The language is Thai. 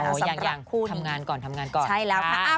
สำหรับคู่นี้ใช่แล้วค่ะคู่นี้อ๋อยังทำงานก่อน